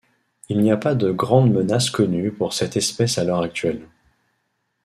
Il n'y a pas de grandes menaces connues pour cette espèce à l'heure actuelle.